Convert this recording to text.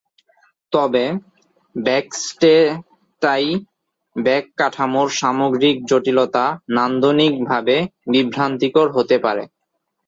তবে, back stay tie back কাঠামোর সামগ্রিক জটিলতা নান্দনিকভাবে বিভ্রান্তিকর হতে পারে।